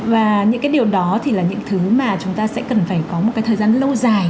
và những cái điều đó thì là những thứ mà chúng ta sẽ cần phải có một cái thời gian lâu dài